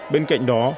bên cạnh đó